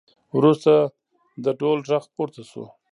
وروسته د ډول غږ پورته شو